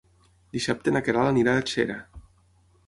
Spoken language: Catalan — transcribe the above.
Dissabte na Queralt anirà a Xera.